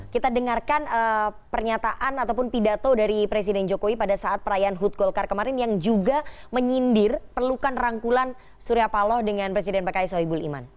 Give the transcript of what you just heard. kita dengarkan pernyataan ataupun pidato dari presiden jokowi pada saat perayaan hut golkar kemarin yang juga menyindir perlukan rangkulan surya paloh dengan presiden pks sohibul iman